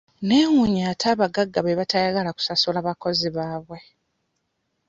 Neewuunya ate abagagga be bataagala kusasula bakozi baabwe.